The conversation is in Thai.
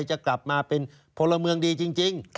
จะกลับมาเป็นพลเมืองดีจริง